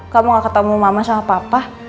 kamu gak ketemu mama sama papa